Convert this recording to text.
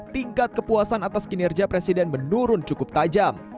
tingkat kepuasan atas kinerja presiden menurun cukup tajam